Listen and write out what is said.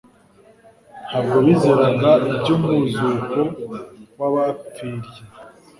Ntabwo bizeraga iby'umuzuko w'abapfirye.